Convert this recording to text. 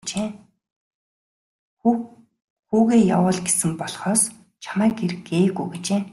Хүүгээ явуул гэсэн болохоос чамайг ир гээгүй гэжээ.